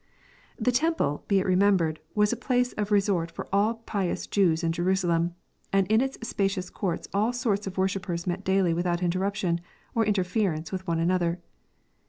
The temple, be it remembered, was a place of resort for all pi ous Jews in Jerusalem, and in its spacious courts all sorts of wor shippers met daily without interruption, or interference with one another.